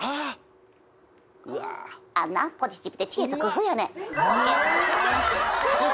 「あんなポジティブって知恵と工夫やねん」